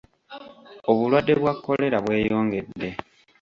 Obulwadde bwa kkolera bweyongedde.